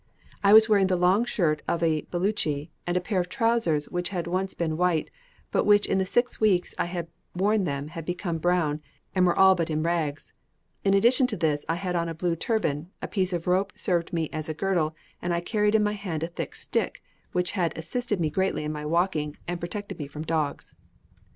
I was wearing the long shirt of a Belutchi, and a pair of trousers which had once been white, but which in the six weeks I had worn them had become brown, and were all but in rags; in addition to this I had on a blue turban, a piece of rope served me as a girdle, and I carried in my hand a thick stick, which had assisted me greatly in my walking, and protected me from dogs."